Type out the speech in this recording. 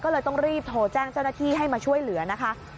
ก็เลยต้องรีบโทรแจ้งเจ้าหน้าที่ให้มาช่วยเหลือนะคะ